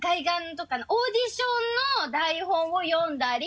オーディションの台本を読んだり。